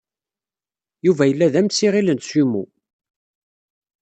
Yuba yella d amsiɣil n sumo.